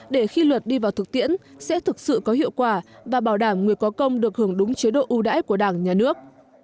để khi luật đi vào thực tiễn sẽ thực sự có hiệu quả và bảo đảm người có công được hưởng đúng chế độ ưu đãi của đảng nhà nước